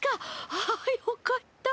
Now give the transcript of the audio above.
あよかった。